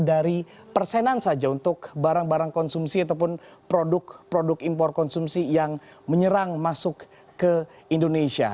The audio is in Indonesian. dari persenan saja untuk barang barang konsumsi ataupun produk produk impor konsumsi yang menyerang masuk ke indonesia